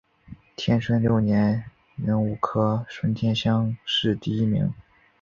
天顺六年壬午科顺天乡试第一名。